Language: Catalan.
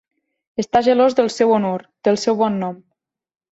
Estar gelós del seu honor, del seu bon nom.